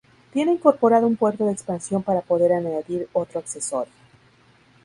Tiene incorporado un puerto de expansión para poder añadir otro accesorio.